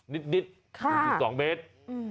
นิดสองเมตร